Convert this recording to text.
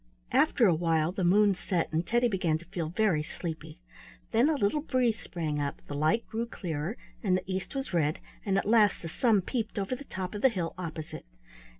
After a while the moon set and Teddy began to feel very sleepy. Then a little breeze sprang up; the light grew clearer and the east was red, and at last the sun peeped over the top of the hill opposite.